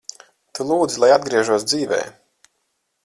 Tu lūdzi, lai atgriežos dzīvē.